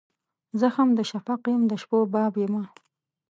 زخم د شفق یم د شپو باب یمه